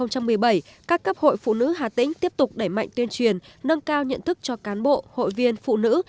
năm hai nghìn một mươi bảy các cấp hội phụ nữ hà tĩnh tiếp tục đẩy mạnh tuyên truyền nâng cao nhận thức cho cán bộ hội viên phụ nữ